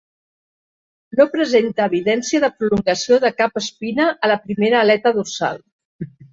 No presenta evidència de prolongació de cap espina a la primera aleta dorsal.